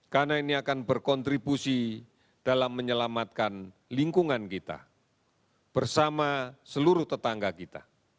karena ini akan berkontribusi dalam menyelamatkan lingkungan kita bersama seluruh tetangga kita